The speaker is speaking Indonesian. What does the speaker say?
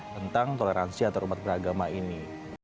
tentang toleransi atur umat beragama ini